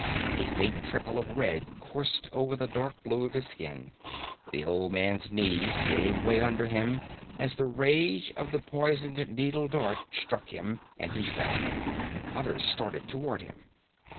A faint trickle of red coursed over the dark blue of his skin. The old man's knees gave way under him as the rage of the poisoned needle dart struck him, and he fell. Others started toward him.